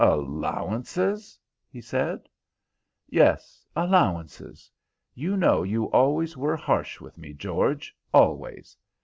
"Allowances?" he said. "Yes, allowances. You know you always were harsh with me, George, always."